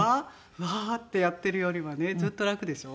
うわあ」ってやってるよりはねずっと楽でしょ？